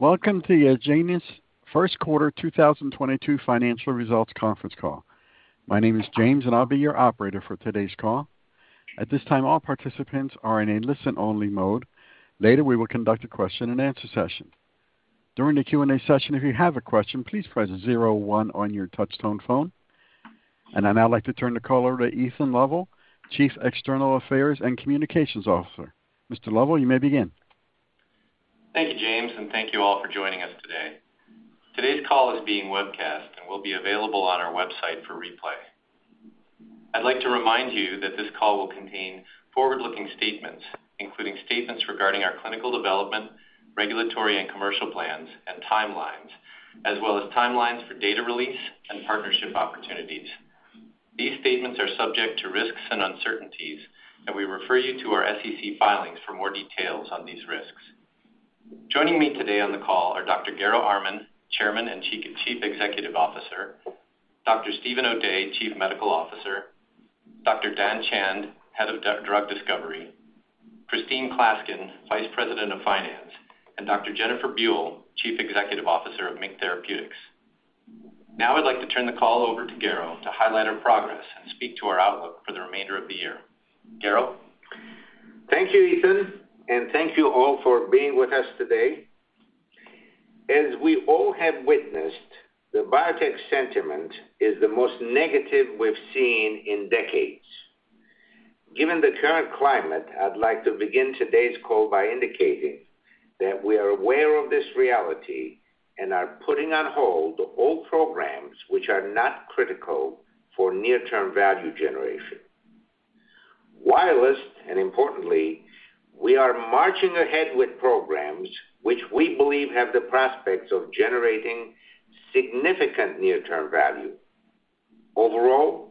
Welcome to Agenus' First Quarter 2022 Financial Results conference call. My name is James, and I'll be your operator for today's call. At this time, all participants are in a listen-only mode. Later, we will conduct a question-and-answer session. During the Q&A session, if you have a question, please press zero one on your touchtone phone. I'd now like to turn the call over to Ethan Lovell, Chief External Affairs and Communications Officer. Mr. Lovell, you may begin. Thank you, James, and thank you all for joining us today. Today's call is being webcast and will be available on our website for replay. I'd like to remind you that this call will contain forward-looking statements, including statements regarding our clinical development, regulatory and commercial plans and timelines, as well as timelines for data release and partnership opportunities. These statements are subject to risks and uncertainties, and we refer you to our SEC filings for more details on these risks. Joining me today on the call are Dr. Garo Armen, Chairman and Chief Executive Officer, Dr. Steven O'Day, Chief Medical Officer, Dr. Dhan Chand, Head of Drug Discovery, Christine Klaskin, Vice President of Finance, and Dr. Jennifer Buell, Chief Executive Officer of MiNK Therapeutics. Now I'd like to turn the call over to Garo to highlight our progress and speak to our outlook for the remainder of the year. Dr. Garo? Thank you, Ethan, and thank you all for being with us today. As we all have witnessed, the biotech sentiment is the most negative we've seen in decades. Given the current climate, I'd like to begin today's call by indicating that we are aware of this reality and are putting on hold all programs which are not critical for near-term value generation. While, and importantly, we are marching ahead with programs which we believe have the prospects of generating significant near-term value. Overall,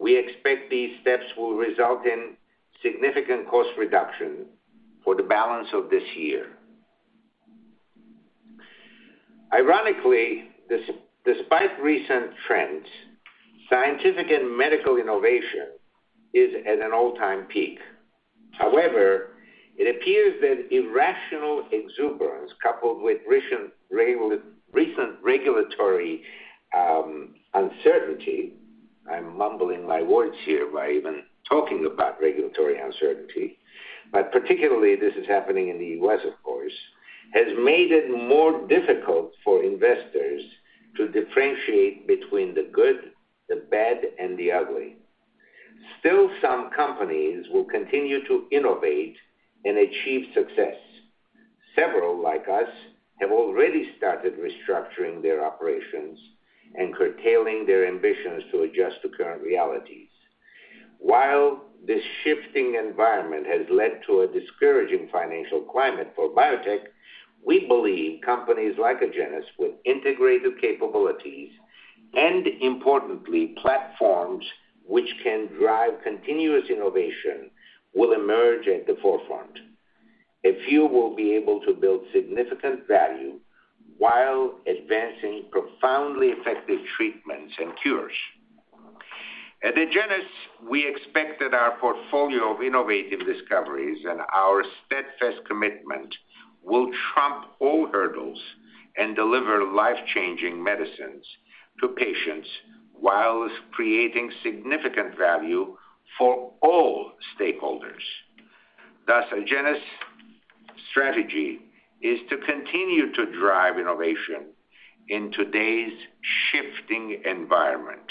we expect these steps will result in significant cost reduction for the balance of this year. Ironically, despite recent trends, scientific and medical innovation is at an all-time peak. However, it appears that irrational exuberance coupled with recent regulatory uncertainty, I'm mumbling my words here by even talking about regulatory uncertainty, but particularly this is happening in the U.S. of course, has made it more difficult for investors to differentiate between the good, the bad, and the ugly. Still, some companies will continue to innovate and achieve success. Several, like us, have already started restructuring their operations and curtailing their ambitions to adjust to current realities. While this shifting environment has led to a discouraging financial climate for biotech, we believe companies like Agenus with integrated capabilities, and importantly, platforms which can drive continuous innovation will emerge at the forefront. A few will be able to build significant value while advancing profoundly effective treatments and cures. At Agenus, we expect that our portfolio of innovative discoveries and our steadfast commitment will trump all hurdles and deliver life-changing medicines to patients, while creating significant value for all stakeholders. Thus, Agenus' strategy is to continue to drive innovation in today's shifting environment.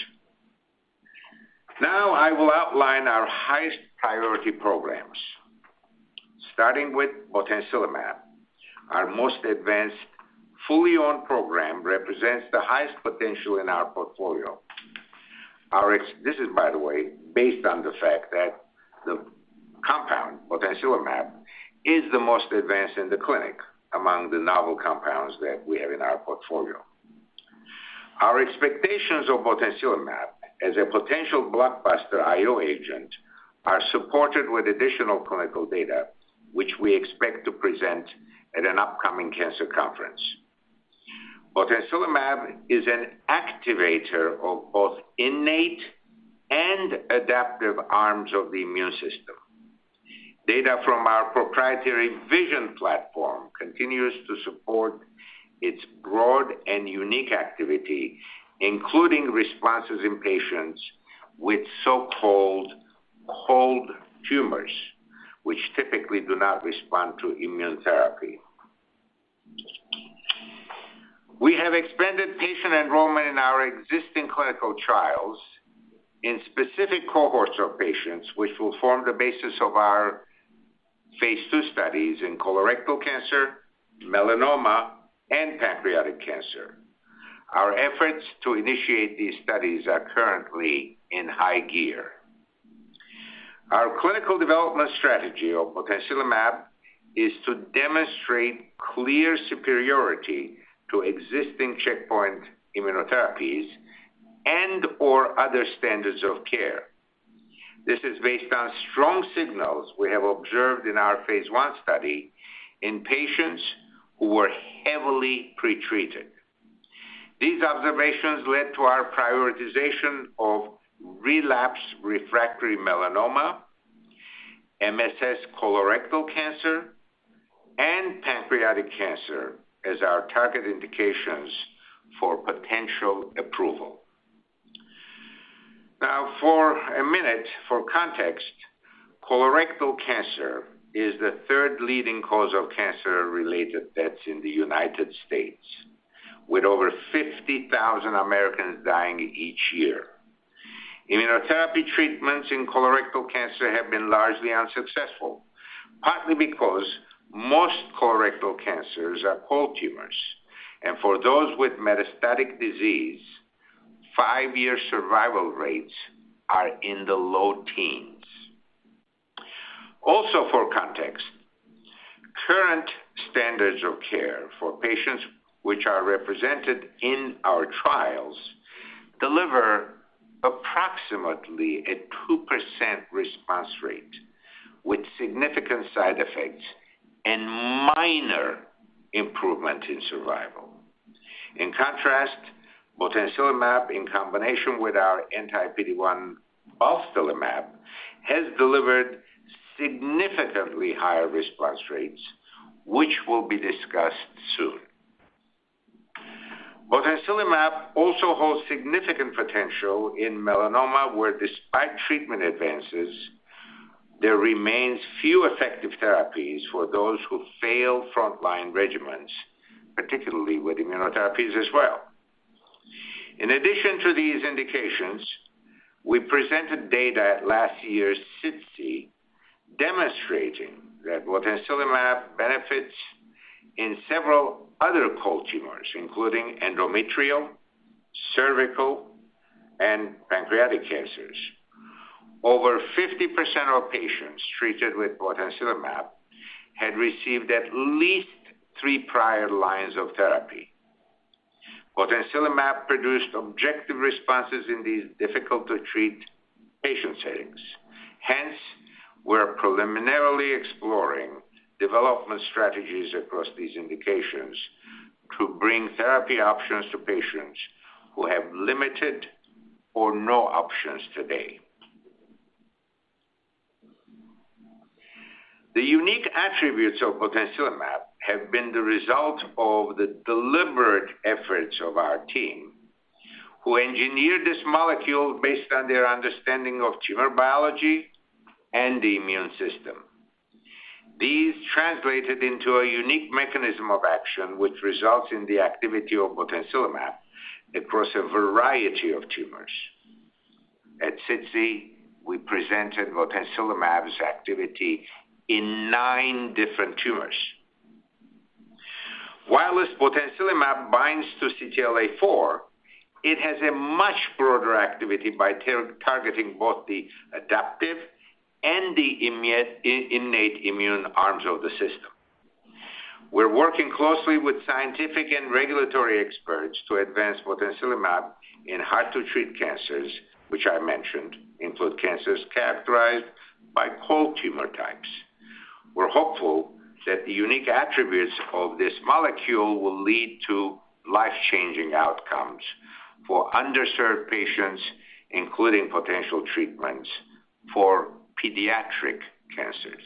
Now, I will outline our highest priority programs. Starting with botensilimab, our most advanced fully owned program represents the highest potential in our portfolio. This is, by the way, based on the fact that the compound, botensilimab, is the most advanced in the clinic among the novel compounds that we have in our portfolio. Our expectations of botensilimab as a potential blockbuster IO agent are supported with additional clinical data, which we expect to present at an upcoming cancer conference. Botensilimab is an activator of both innate and adaptive arms of the immune system. Data from our proprietary VISION platform continues to support its broad and unique activity, including responses in patients with so-called cold tumors, which typically do not respond to immune therapy. We have expanded patient enrollment in our existing clinical trials, in specific cohorts of patients, which will form the basis of our phase II studies in colorectal cancer, melanoma, and pancreatic cancer. Our efforts to initiate these studies are currently in high gear. Our clinical development strategy of botensilimab is to demonstrate clear superiority to existing checkpoint immunotherapies and/or other standards of care. This is based on strong signals we have observed in our phase I study in patients who were heavily pretreated. These observations led to our prioritization of relapse-refractory melanoma, MSS colorectal cancer, and pancreatic cancer as our target indications for potential approval. Now, for a minute, for context, colorectal cancer is the third leading cause of cancer-related deaths in the United States, with over 50,000 Americans dying each year. Immunotherapy treatments in colorectal cancer have been largely unsuccessful, partly because most colorectal cancers are cold tumors, and for those with metastatic disease, five-year survival rates are in the low teens. Also, for context, current standards of care for patients which are represented in our trials deliver approximately a 2% response rate, with significant side effects and minor improvement in survival. In contrast, botensilimab in combination with our anti-PD-1 balstilimab has delivered significantly higher response rates, which will be discussed soon. Botensilimab also holds significant potential in melanoma, where despite treatment advances, there remains few effective therapies for those who fail frontline regimens, particularly with immunotherapies as well. In addition to these indications, we presented data at last year's SITC demonstrating that botensilimab benefits in several other cold tumors, including endometrial, cervical, and pancreatic cancers. Over 50% of patients treated with botensilimab had received at least three prior lines of therapy. Botensilimab produced objective responses in these difficult to treat patient settings. Hence, we're preliminarily exploring development strategies across these indications, to bring therapy options to patients who have limited or no options today. The unique attributes of botensilimab have been the result of the deliberate efforts of our team, who engineered this molecule based on their understanding of tumor biology and the immune system. These translated into a unique mechanism of action, which results in the activity of botensilimab across a variety of tumors. At SITC, we presented botensilimab's activity in nine different tumors. While botensilimab binds to CTLA-4, it has a much broader activity by targeting both the adaptive and the innate immune arms of the system. We're working closely with scientific and regulatory experts to advance botensilimab in hard-to-treat cancers, which I mentioned include cancers characterized by cold tumor types. We're hopeful that the unique attributes of this molecule will lead to life-changing outcomes for underserved patients, including potential treatments for pediatric cancers.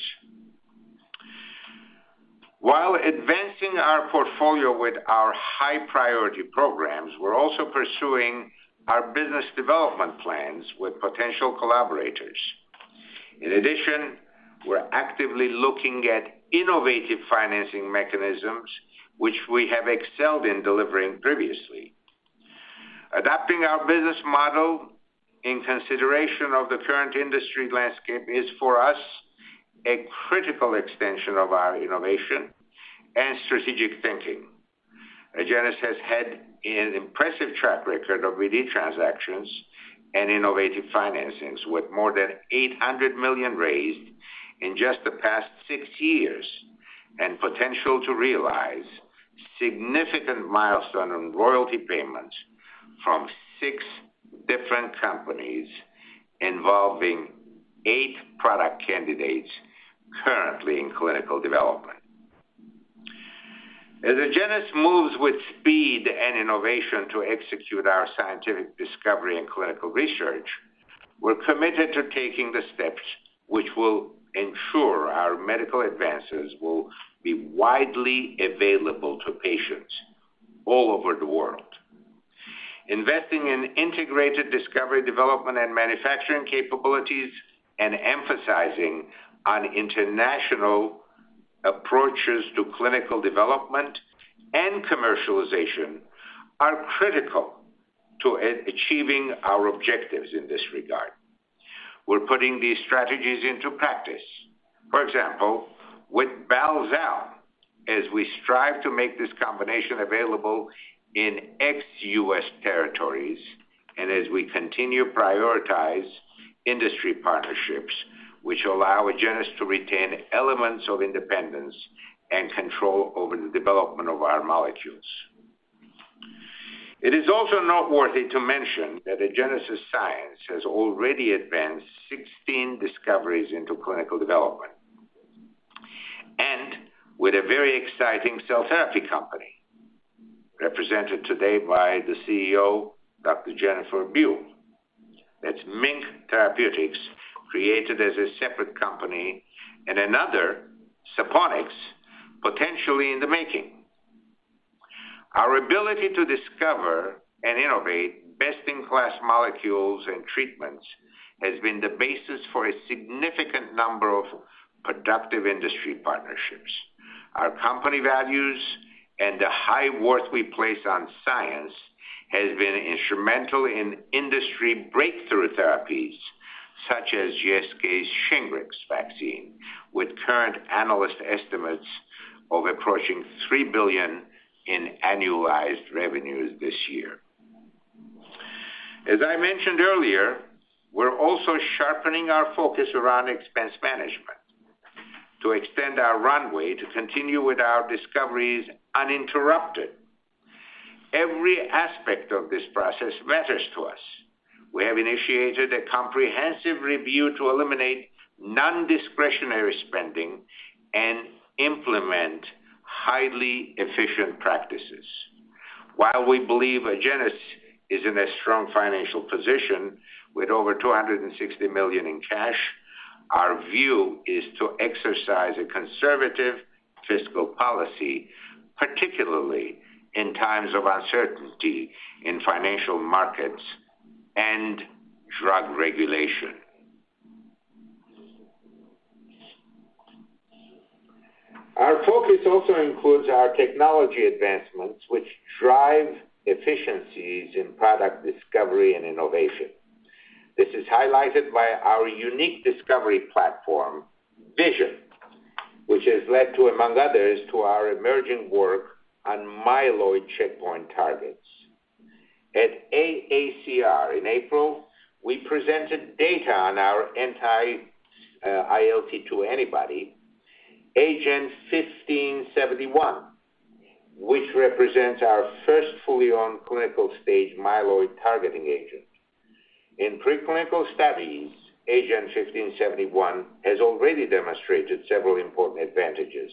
While advancing our portfolio with our high-priority programs, we're also pursuing our business development plans with potential collaborators. In addition, we're actively looking at innovative financing mechanisms, which we have excelled in delivering previously. Adapting our business model in consideration of the current industry landscape is, for us, a critical extension of our innovation and strategic thinking. Agenus has had an impressive track record of BD transactions and innovative financings, with more than $800 million raised in just the past six years, and potential to realize significant milestone on royalty payments from six different companies involving eight product candidates currently in clinical development. As Agenus moves with speed and innovation to execute our scientific discovery and clinical research, we're committed to taking the steps which will ensure our medical advances will be widely available to patients all over the world. Investing in integrated discovery, development, and manufacturing capabilities, and emphasizing on international approaches to clinical development and commercialization are critical to achieving our objectives in this regard. We're putting these strategies into practice. For example, with [balstilimab], as we strive to make this combination available in ex-US territories and as we continue to prioritize industry partnerships which allow Agenus to retain elements of independence and control over the development of our molecules. It is also noteworthy to mention that Agenus' science has already advanced 16 discoveries into clinical development. With a very exciting cell therapy company represented today by the CEO, Dr. Jennifer Buell. That's MiNK Therapeutics, created as a separate company and another SaponiQx potentially in the making. Our ability to discover and innovate best-in-class molecules and treatments has been the basis for a significant number of productive industry partnerships. Our company values and the high worth we place on science has been instrumental in industry breakthrough therapies such as GSK's Shingrix vaccine, with current analyst estimates of approaching $3 billion in annualized revenues this year. As I mentioned earlier, we're also sharpening our focus around expense management to extend our runway to continue with our discoveries uninterrupted. Every aspect of this process matters to us. We have initiated a comprehensive review to eliminate non-discretionary spending and implement highly efficient practices. While we believe Agenus is in a strong financial position with over $260 million in cash, our view is to exercise a conservative fiscal policy, particularly in times of uncertainty in financial markets and drug regulation. Our focus also includes our technology advancements, which drive efficiencies in product discovery and innovation. This is highlighted by our unique discovery platform, VISION, which has led to, among others, our emerging work on myeloid checkpoint targets. At AACR in April, we presented data on our anti-ILT2 antibody, AGEN1571, which represents our first fully owned clinical-stage myeloid targeting agent. In preclinical studies, AGEN1571 has already demonstrated several important advantages.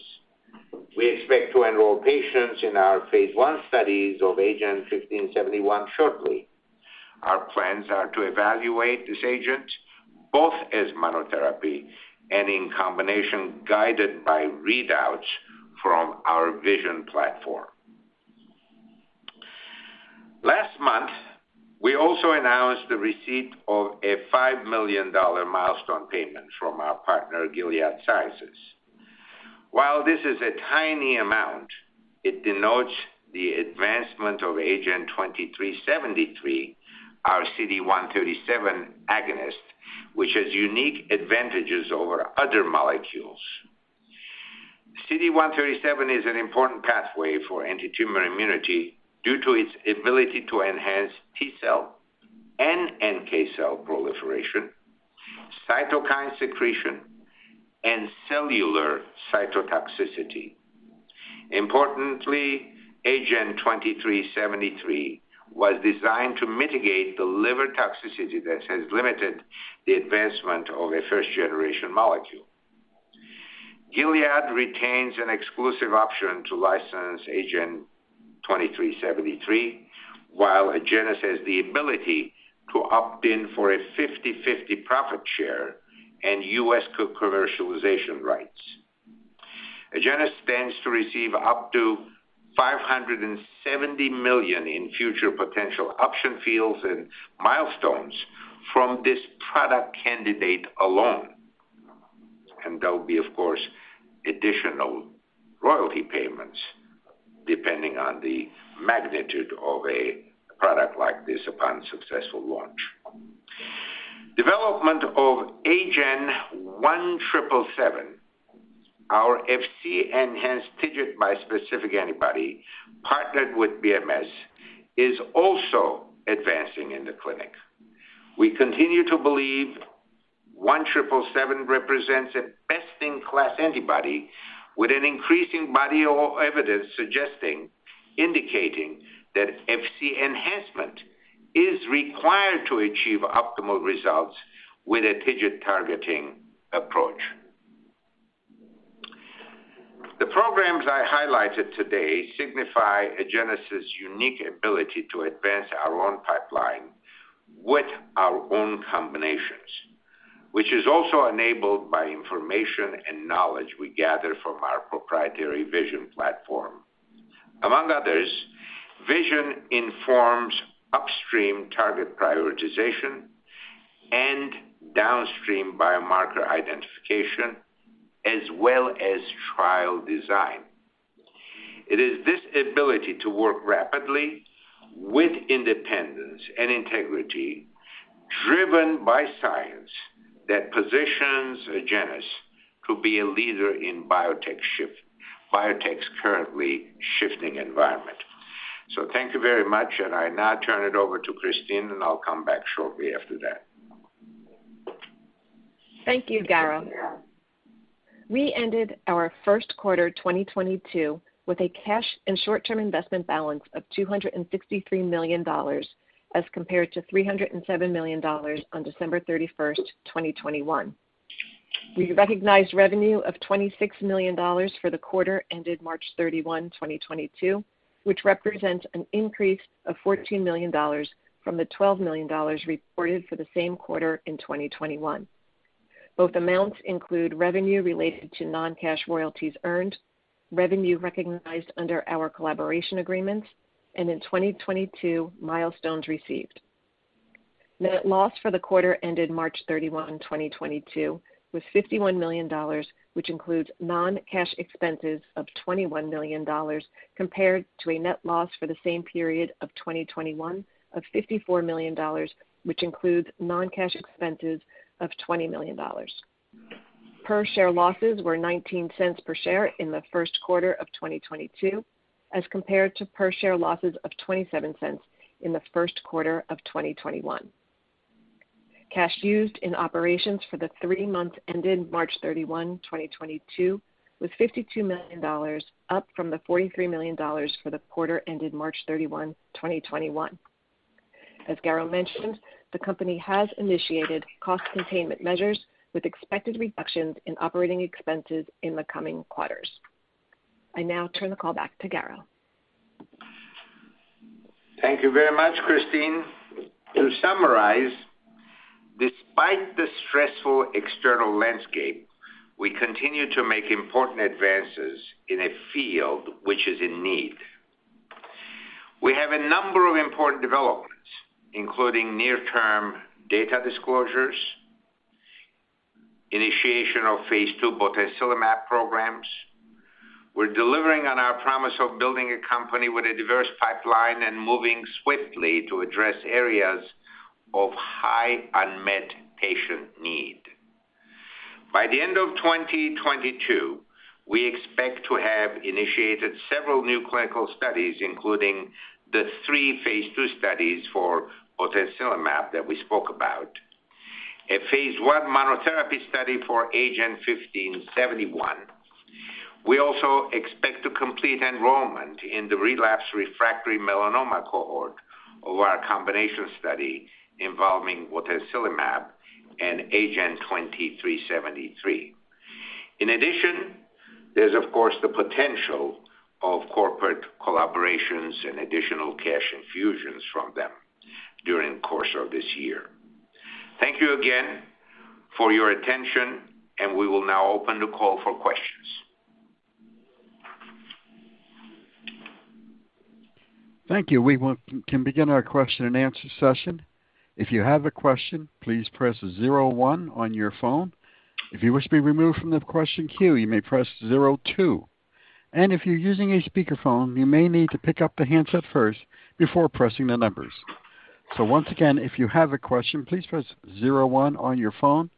We expect to enroll patients in our phase I studies of AGEN1571 shortly. Our plans are to evaluate this agent both as monotherapy, and in combination guided by readouts from our VISION platform. Last month, we also announced the receipt of a $5 million milestone payment from our partner, Gilead Sciences. While this is a tiny amount, it denotes the advancement of AGEN2373, our CD137 agonist, which has unique advantages over other molecules. CD137 is an important pathway for anti-tumor immunity due to its ability to enhance T-cell and NK cell proliferation, cytokine secretion, and cellular cytotoxicity. Importantly, AGEN2373 was designed to mitigate the liver toxicity that has limited the advancement of a 1st generation molecule. Gilead retains an exclusive option to license AGEN2373, while Agenus has the ability to opt in for a 50/50 profit share and U.S. co-commercialization rights. Agenus stands to receive up to $570 million in future potential option fees and milestones from this product candidate alone. There'll be, of course, additional royalty payments, depending on the magnitude of a product like this upon successful launch. Development of AGEN1777, our FC enhanced TIGIT bispecific antibody partnered with BMS, is also advancing in the clinic. We continue to believe AGEN1777 represents a best-in-class antibody, with an increasing body of evidence indicating that FC enhancement is required to achieve optimal results with a TIGIT targeting approach. The programs I highlighted today signify Agenus' unique ability to advance our own pipeline with our own combinations, which is also enabled by information and knowledge we gather from our proprietary VISION platform. Among others, VISION informs upstream target prioritization and downstream biomarker identification, as well as trial design. It is this ability to work rapidly with independence, and integrity driven by science, that positions Agenus to be a leader in biotech's currently shifting environment. Thank you very much, and I now turn it over to Christine, and I'll come back shortly after that. Thank you, Garo. We ended our first quarter 2022 with a cash and short-term investment balance of $263 million as compared to $307 million on December 31st, 2021. We recognized revenue of $26 million for the quarter ended March 31, 2022, which represents an increase of $14 million from the $12 million reported for the same quarter in 2021. Both amounts include revenue related to non-cash royalties earned, revenue recognized under our collaboration agreements, and in 2022 milestones received. Net loss for the quarter ended March 31, 2022 was $51 million, which includes non-cash expenses of $21 million compared to a net loss for the same period of 2021 of $54 million, which includes non-cash expenses of $20 million. Per share losses were $0.19 per share in the first quarter of 2022, as compared to per share losses of $0.27 in the first quarter of 2021. Cash used in operations for the three months ended March 31, 2022 was $52 million, up from the $43 million for the quarter ended March 31, 2021. As Garo mentioned, the company has initiated cost containment measures with expected reductions in operating expenses in the coming quarters. I now turn the call back to Garo. Thank you very much, Christine. To summarize, despite the stressful external landscape, we continue to make important advances in a field which is in need. We have a number of important developments, including near-term data disclosures, initiation of phase II botensilimab programs. We're delivering on our promise of building a company with a diverse pipeline and moving swiftly to address areas of high unmet patient need. By the end of 2022, we expect to have initiated several new clinical studies, including the three phase II studies for botensilimab that we spoke about. A phase I monotherapy study for AGEN1571. We also expect to complete enrollment in the relapsed refractory melanoma cohort of our combination study involving botensilimab and AGEN2373. In addition, there's of course, the potential of corporate collaborations and additional cash infusions from them during the course of this year. Thank you again for your attention, and we will now open the call for questions. Thank you. We can begin our question and answer session. If you have a question, please press zero one on your phone. If you wish to be removed from the question queue, you may press zero two. If you're using a speakerphone, you may need to pick up the handset first before pressing the numbers. Once again, if you have a question, please press zero one on your phone.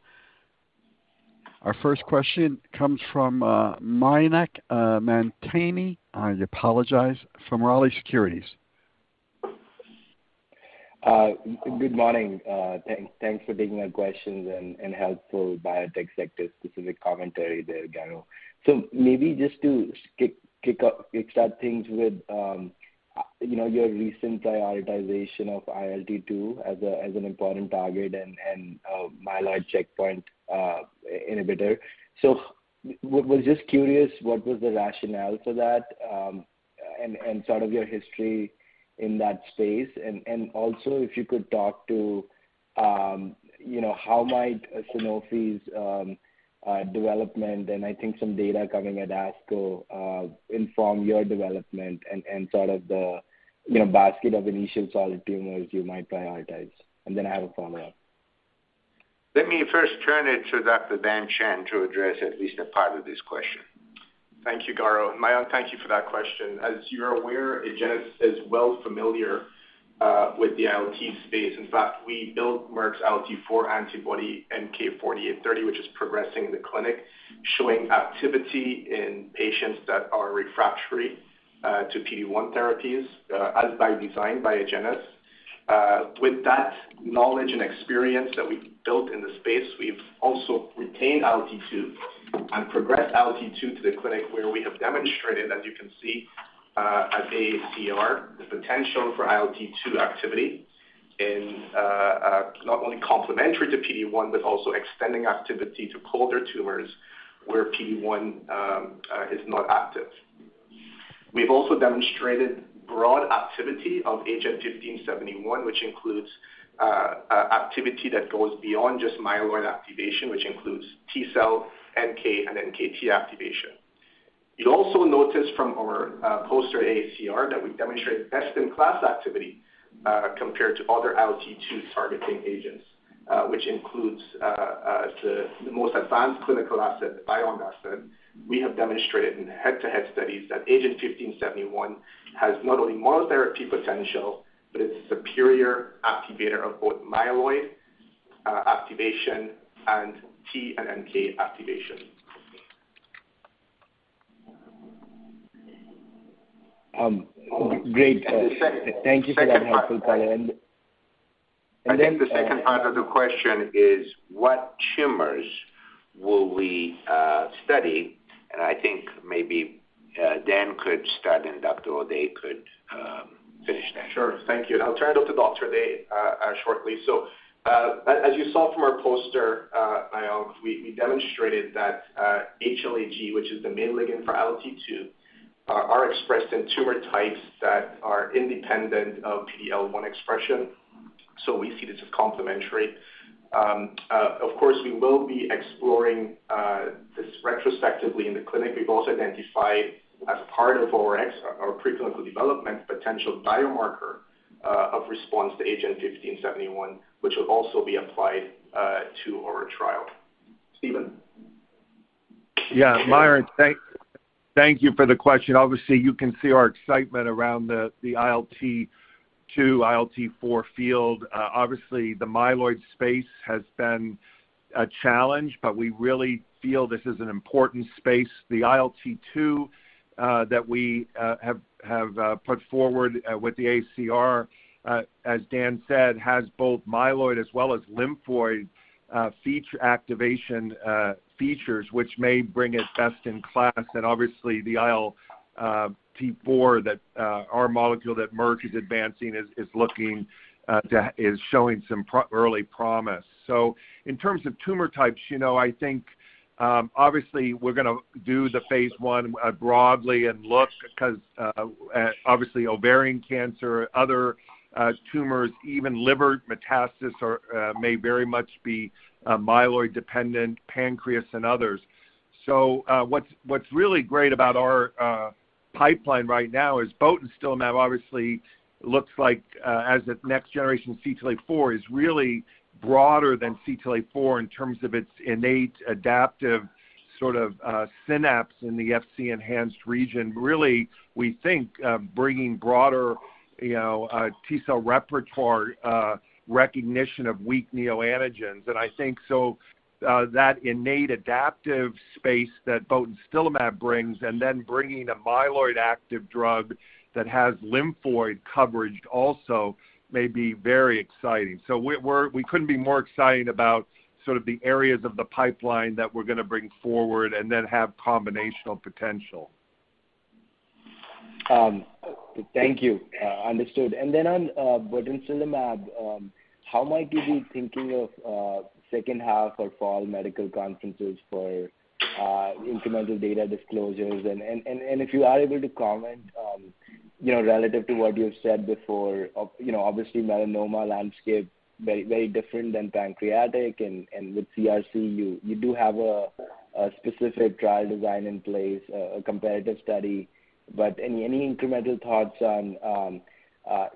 Our first question comes from Mayank Mamtani, I apologize, from B. Riley Securities. Good morning. Thanks for taking my questions and helpful biotech sector-specific commentary there, Garo. Maybe just to kick start things with your recent prioritization of ILT2 as an important target and a myeloid checkpoint inhibitor. Was just curious what was the rationale for that and sort of your history in that space? Also if you could talk to how might Sanofi's development, and I think some data coming at ASCO, inform your development and sort of the basket of initial solid tumors you might prioritize. Then I have a follow-up. Let me first turn it to Dr. Dhan Chand to address at least a part of this question. Thank you, Garo. Mayank, thank you for that question. As you're aware, Agenus is well familiar with the ILT space. In fact, we built Merck's ILT4 antibody, MK-4830, which is progressing in the clinic, showing activity in patients that are refractory to PD-1 therapies, as by design by Agenus. With that knowledge and experience that we built in the space, we've also retained ILT2 and progressed ILT2 to the clinic where we have demonstrated, as you can see, at AACR, the potential for ILT2 activity in not only complementary to PD-1, but also extending activity to colder tumors where PD-1 is not active. We've also demonstrated broad activity of AGEN1571, which includes activity that goes beyond just myeloid activation, which includes T-cell, NK, and NKT activation. You'll also notice from our poster at AACR that we demonstrate best-in-class activity compared to other ILT2-targeting agents, which includes the most advanced clinical asset, the BioNTech asset. We have demonstrated, in head-to-head studies, that AGEN1571 has not only monotherapy potential, but it's a superior activator of both myeloid activation and T and NK activation. Great. Thank you for that helpful color. I think the second part of the question is what tumors will we study? I think maybe Dhan could start, and Dr. O'Day could finish... Sure. Thank you. I'll turn it over to Dr. O'Day shortly. As you saw from our poster, IO, we demonstrated that HLA-G, which is the main ligand for ILT2, are expressed in tumor types that are independent of PD-L1 expression, so we see this as complementary. Of course, we will be exploring this retrospectively in the clinic. We've also identified, as part of our preclinical development, potential biomarker of response to AGEN1571, which will also be applied to our trial. Steven? Yeah. Mayank, thank you for the question. Obviously, you can see our excitement around the ILT-2, ILT-4 field. Obviously, the myeloid space has been a challenge, but we really feel this is an important space. The ILT-2 that we have put forward with the AACR, as Dan said, has both myeloid as well as lymphoid feature activation features, which may bring it best in class. Obviously the ILT-4 that our molecule that Merck is advancing is showing some early promise. In terms of tumor types, I think, obviously we're gonna do the phase I broadly and look because obviously ovarian cancer, other tumors, even liver metastasis are, may very much be myeloid dependent, pancreas and others. What's really great about our pipeline right now is botensilimab obviously looks like as a next-generation CTLA-4, is really broader than CTLA-4 in terms of its innate adaptive synapse in the Fc-enhanced region. Really, we think bringing broader, you know, T-cell repertoire recognition of weak neoantigens. I think that innate adaptive space that botensilimab brings, and then bringing a myeloid-active drug that has lymphoid coverage also, may be very exciting. We couldn't be more excited about the areas of the pipeline that we're gonna bring forward and then have combination potential. Thank you. Understood. On botensilimab, how might you be thinking of second half or fall medical conferences for incremental data disclosures? If you are able to comment, you know, relative to what you've said before of, you know, obviously melanoma landscape very, very different than pancreatic and with CRC, you do have a specific trial design in place, a comparative study. Any incremental thoughts on,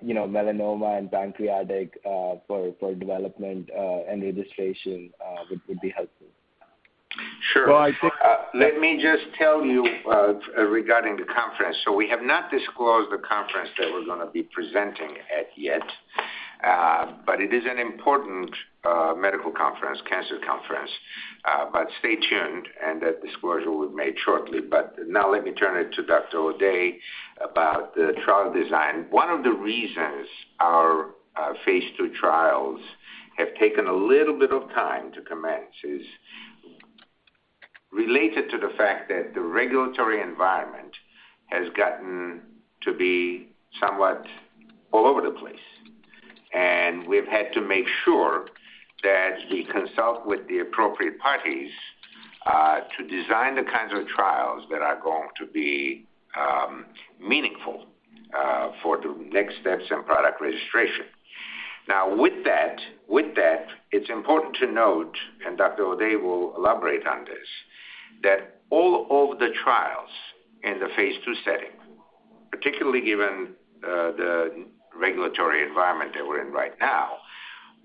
you know, melanoma and pancreatic for development and registration would be helpful. Sure. Well, I think. Let me just tell you, regarding the conference. We have not disclosed the conference that we're gonna be presenting at yet, but it is an important medical conference, cancer conference. Stay tuned and that disclosure will be made shortly. Now let me turn it to Dr. O'Day about the trial design. One of the reasons our phase II trials have taken a little bit of time to commence is, related to the fact that the regulatory environment has gotten to be somewhat all over the place, we've had to make sure that we consult with the appropriate parties, to design the kinds of trials that are going to be meaningful for the next steps in product registration. Now, with that, it's important to note, and Dr. O'Day will elaborate on this- ...that all of the trials in the phase II setting, particularly given the regulatory environment that we're in right now,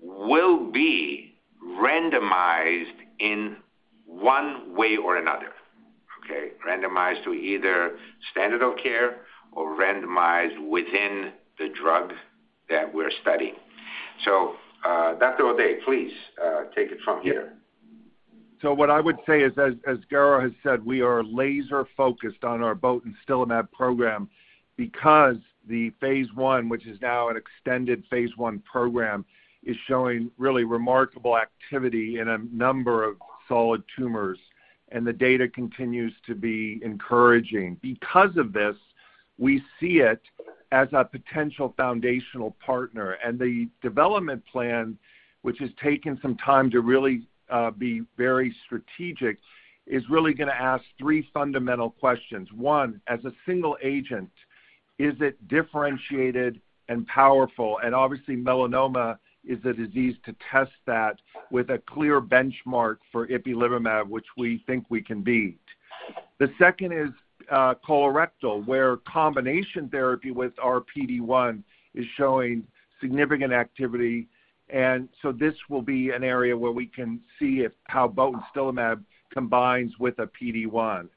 will be randomized in one way or another. Okay. Randomized to either standard of care, or randomized within the drug that we're studying. Dr. O'Day, please, take it from here. What I would say is, as Garo has said, we are laser-focused on our botensilimab program because the phase I, which is now an extended phase I program, is showing really remarkable activity in a number of solid tumors, and the data continues to be encouraging. Because of this, we see it as a potential foundational partner, and the development plan, which has taken some time to really be very strategic, is really gonna ask three fundamental questions. One, as a single agent, is it differentiated and powerful? Obviously, melanoma is the disease to test that with a clear benchmark for ipilimumab, which we think we can beat. The second is, colorectal, where combination therapy with our PD-1 is showing significant activity. This will be an area where we can see how botensilimab combines with a PD-1.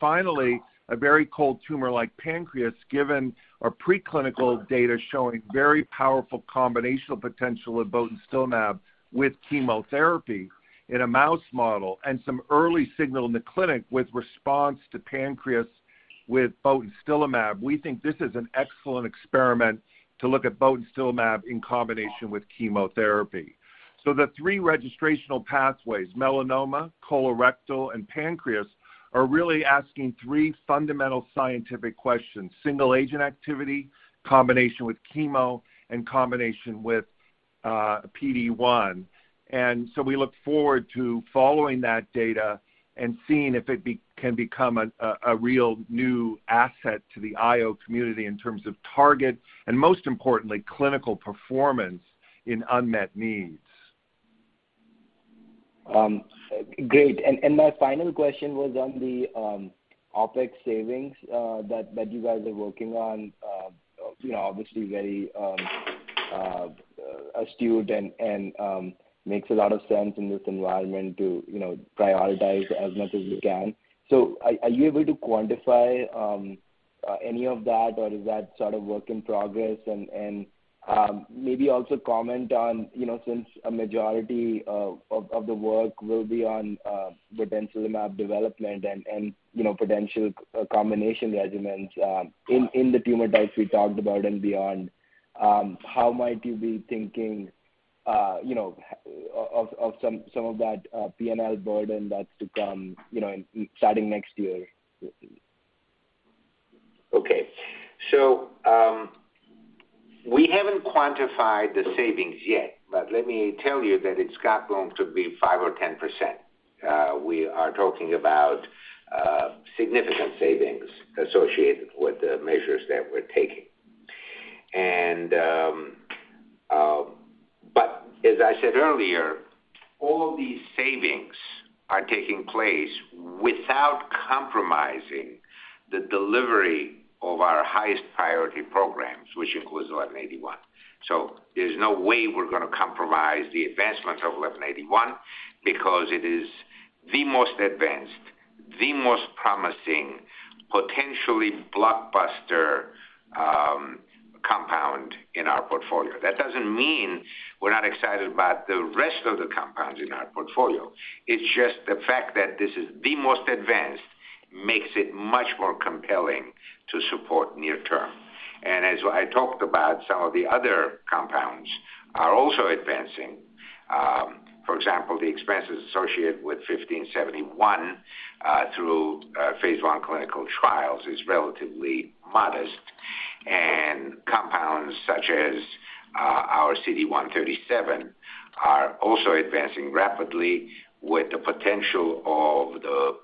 Finally, a very cold tumor like pancreas, given our preclinical data showing very powerful combinational potential of botensilimab with chemotherapy in a mouse model, and some early signal in the clinic with response to pancreas with botensilimab, we think this is an excellent experiment to look at botensilimab in combination with chemotherapy. The three registrational pathways, melanoma, colorectal, and pancreas, are really asking three fundamental scientific questions, single agent activity, combination with chemo, and combination with PD-1. We look forward to following that data and seeing if it can become a real new asset to the IO community in terms of target, and most importantly, clinical performance in unmet needs. Great. My final question was on the OpEx savings that you guys are working on. You know, obviously very astute and makes a lot of sense in this environment to, you know, prioritize as much as you can. Are you able to quantify any of that, or is that sort of work in progress? Maybe also comment on you know, since a majority of the work will be on the botensilimab development and, you know, potential combination regimens in the tumor types we talked about and beyond, how might you be thinking you know, of some of that P&L burden that's to come you know, starting next year? Okay. We haven't quantified the savings yet, but let me tell you that it's going to be 5%-10%. We are talking about significant savings associated with the measures that we're taking. As I said earlier, all these savings are taking place without compromising the delivery of our highest priority programs, which includes AGEN1181. There's no way we're gonna compromise the advancements of AGEN1181, because it is the most advanced, the most promising, potentially blockbuster compound in our portfolio. That doesn't mean we're not excited about the rest of the compounds in our portfolio. It's just the fact that this is the most advanced makes it much more compelling to support near term. As I talked about, some of the other compounds are also advancing. For example, the expenses associated with AGEN1571 through phase 1 clinical trials is relatively modest, and compounds such as our CD137 are also advancing rapidly with the potential of the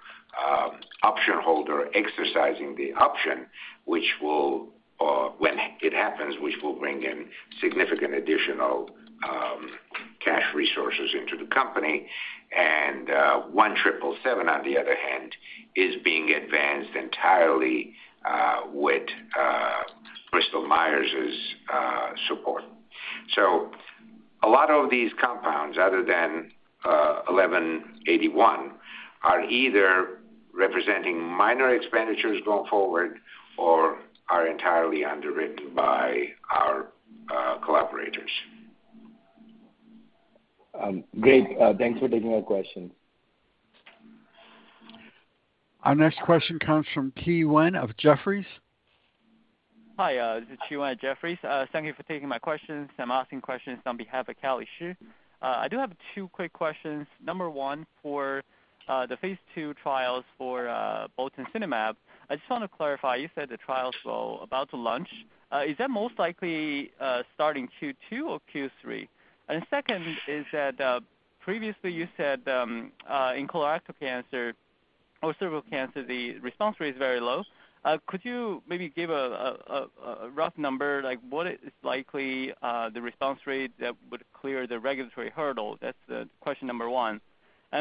option holder exercising the option, which, when it happens, will bring in significant additional cash resources into the company. AGEN1777 on the other hand, is being advanced entirely with Bristol Myers Squibb's support. A lot of these compounds other than AGEN1181 are either representing minor expenditures going forward or are entirely underwritten by our collaborators. Great. Thanks for taking my question. Our next question comes from Qi Wen of Jefferies. Hi, this is Qi Wen at Jefferies. Thank you for taking my questions. I'm asking questions on behalf of Kelly Shi. I do have two quick questions. Number one, for the phase II trials for botensilimab, I just wanna clarify, you said the trials were about to launch. Is that most likely starting Q2 or Q3? Second, is that previously you said in colorectal cancer or cervical cancer, the response rate is very low. Could you maybe give a rough number, like what is likely the response rate that would clear the regulatory hurdle? That's question number one.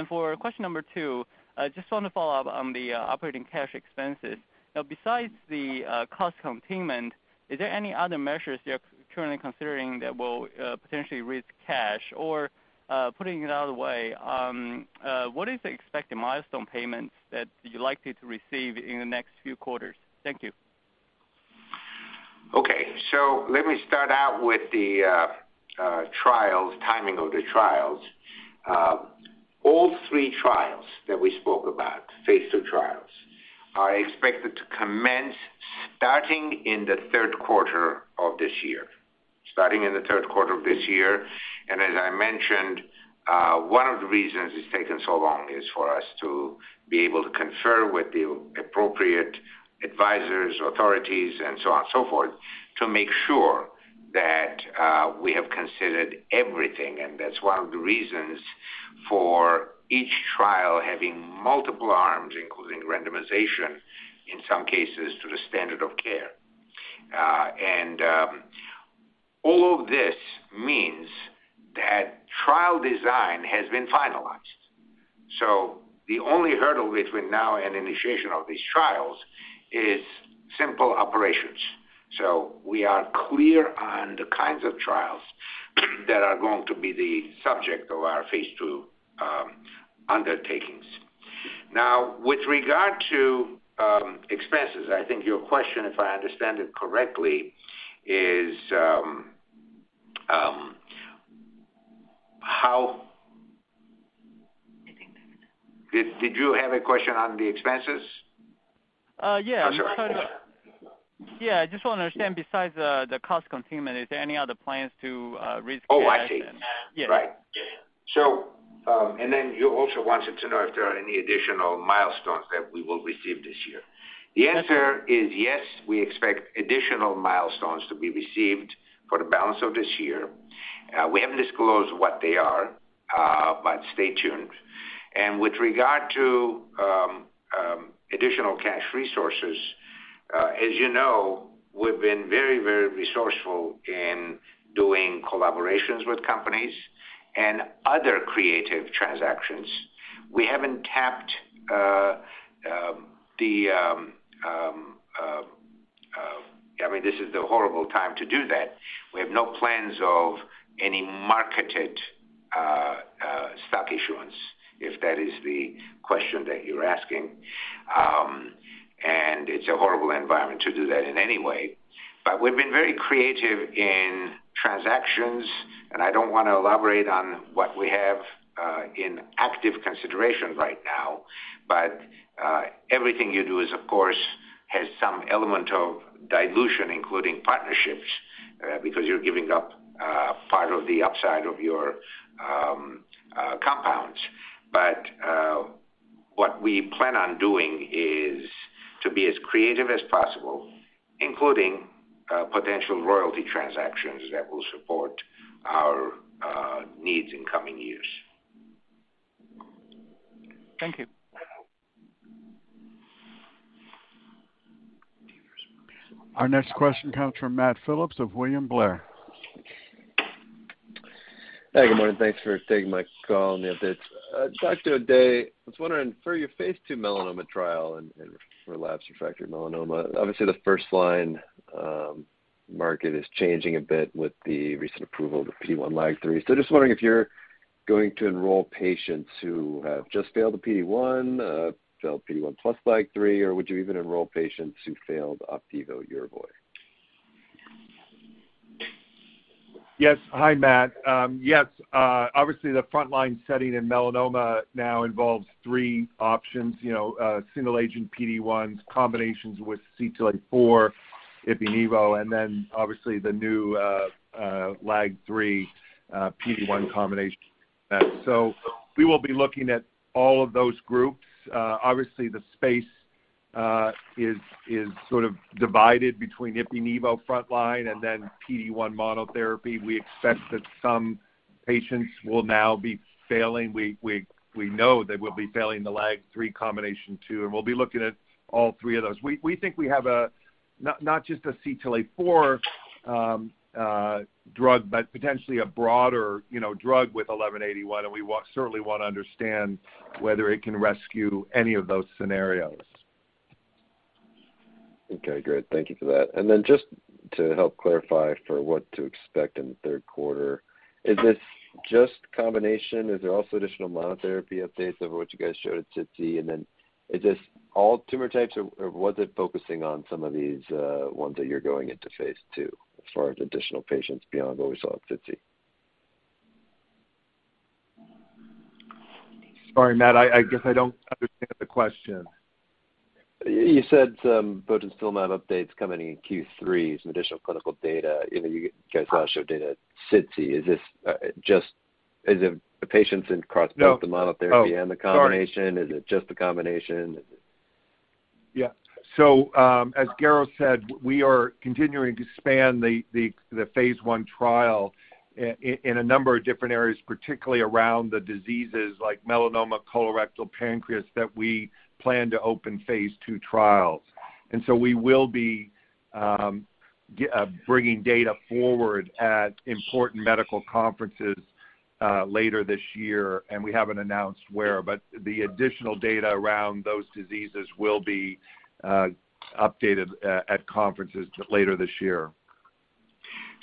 For question number two, I just wanna follow up on the operating cash expenses. Now, besides the cost containment, is there any other measures you're currently considering that will potentially risk cash? Or, putting it another way, what is the expected milestone payments that you're likely to receive in the next few quarters? Thank you. Okay. Let me start out with the trials, timing of the trials. All three trials that we spoke about, phase two trials, are expected to commence starting in the third quarter of this year. As I mentioned, one of the reasons it's taken so long is for us to be able to confer with the appropriate advisors, authorities and so on and so forth, to make sure that we have considered everything. That's one of the reasons for each trial having multiple arms, including randomization in some cases to the standard of care. All of this means that trial design has been finalized. The only hurdle between now and initiation of these trials is simple operations. We are clear on the kinds of trials that are going to be the subject of our phase II undertakings. Now, with regard to expenses, I think your question, if I understand it correctly, is how. I think that's. Did you have a question on the expenses? Yeah. I'm sorry. Yeah, I just wanna understand, besides the cost containment, is there any other plans to raise cash and, you know. Oh, I see. Yeah. Right. You also wanted to know if there are any additional milestones that we will receive this year. The answer is yes, we expect additional milestones to be received for the balance of this year. We haven't disclosed what they are, but stay tuned. With regard to additional cash resources, as you know, we've been very, very resourceful in doing collaborations with companies and other creative transactions. We haven't tapped. I mean, this is the horrible time to do that. We have no plans of any marketed stock issuance, if that is the question that you're asking. It's a horrible environment to do that in any way. We've been very creative in transactions, and I don't wanna elaborate on what we have in active consideration right now. Everything you do is, of course, has some element of dilution, including partnerships, because you're giving up part of the upside of your compounds. What we plan on doing is to be as creative as possible, including potential royalty transactions that will support our needs in coming years. Thank you. Our next question comes from Matt Phipps of William Blair. Hi, good morning. Thanks for taking my call in advance. Dr. O'Day, I was wondering for your phase two melanoma trial and for relapsed refractory melanoma, obviously the first line market is changing a bit with the recent approval of the PD-1/LAG-3. Just wondering if you're going to enroll patients who have just failed PD-1 plus LAG-3, or would you even enroll patients who failed Opdivo/Yervoy? Yes. Hi, Matt. Yes, obviously the frontline setting in melanoma now involves three options, you know, single agent PD-1 combinations with CTLA-4, ipilimumab, and then obviously the new LAG-3 PD-1 combination. We will be looking at all of those groups. Obviously the space is sort of divided between ipilimumab frontline and then PD-1 monotherapy. We expect that some patients will now be failing. We know they will be failing the LAG-3 combination too, and we'll be looking at all three of those. We think we have not just a CTLA-4 drug, but potentially a broader, you know, drug with AGEN1181, and we certainly wanna understand whether it can rescue any of those scenarios. Okay, great. Thank you for that. Just to help clarify for what to expect in the third quarter, is this just combination? Is there also additional monotherapy updates over what you guys showed at SITC? Is this all tumor types or was it focusing on some of these ones that you're going into phase two as far as additional patients beyond what we saw at SITC? Sorry, Matt, I guess I don't understand the question. You said some botensilimab updates coming in Q3, some additional clinical data. You know, you guys gotta show data at SITC. Is it the patients in cross both- No.... The monotherapy and the combination? Oh, sorry. Is it just the combination? Yeah. As Garo said, we are continuing to expand the phase I trial in a number of different areas, particularly around the diseases like melanoma, colorectal, pancreas, that we plan to open phase II trials. We will be bringing data forward at important medical conferences later this year, and we haven't announced where, but the additional data around those diseases will be updated at conferences later this year.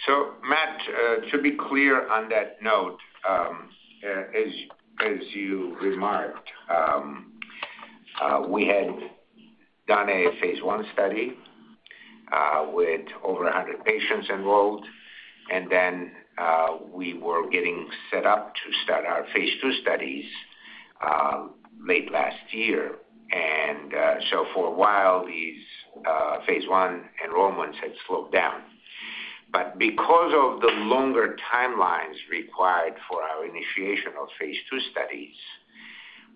Matt, to be clear on that note, as you remarked, we had done a phase 1 study with over 100 patients enrolled, and then, we were getting set up to start our phase II studies late last year. For a while these phase \I1 enrollments had slowed down. Because of the longer timelines required for our initiation of phase II studies,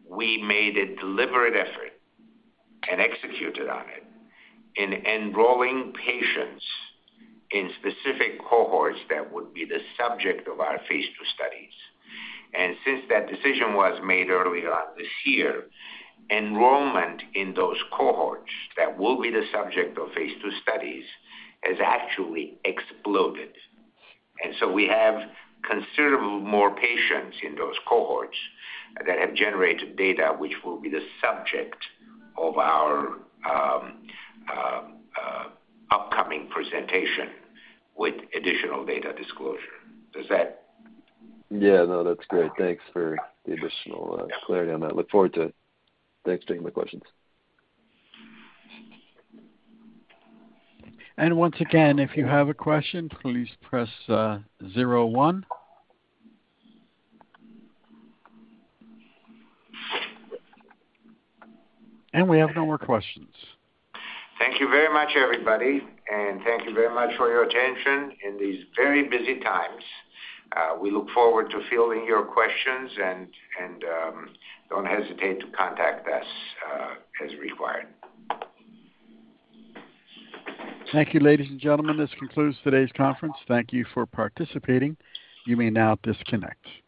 we made a deliberate effort, and executed on it, in enrolling patients in specific cohorts that would be the subject of our phase II studies. Since that decision was made earlier on this year, enrollment in those cohorts that will be the subject of phase II studies has actually exploded. We have considerably more patients in those cohorts that have generated data, which will be the subject of our upcoming presentation with additional data disclosure. Does that? Yeah, no, that's great. Thanks for the additional clarity on that. Look forward to it. Thanks for taking my questions. Once again, if you have a question, please press zero one. We have no more questions. Thank you very much, everybody, and thank you very much for your attention in these very busy times. We look forward to fielding your questions and don't hesitate to contact us as required. Thank you, ladies and gentlemen. This concludes today's conference. Thank you for participating. You may now disconnect.